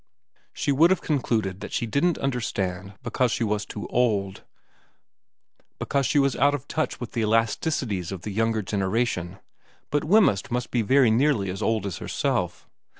She would have con cluded that she didn't understand because she was too old, because she was out of touch with the elasticities of the younger generation, but Wemyss must be very nearly as old as herself.